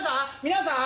皆さん！